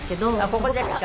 ここですか？